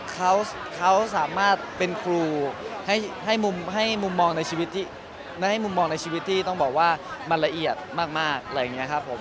เขาสามารถเป็นครูให้มุมมองในชีวิตที่มันละเอียดมากอะไรอย่างเงี้ยครับผม